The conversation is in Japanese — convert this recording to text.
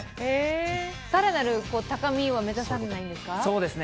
更なる高みを目指さないんですか？